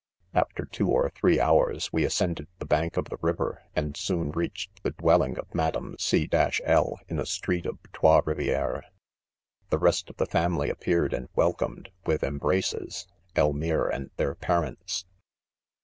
€ After two or three hours, we ascended the bank of the river, and soon reached the dwelling of Madame C— 1, in a street of Trots Rivieres. The rest of the family appeared. and welcomed, with embraces, Elmire and their parents.